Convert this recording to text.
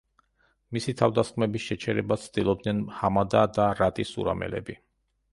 მისი თავდასხმების შეჩერებას ცდილობდნენ ჰამადა და რატი სურამელები.